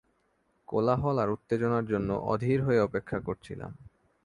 কোলাহল আর উত্তেজনার জন্য অধীর হয়ে অপেক্ষা করছিলাম।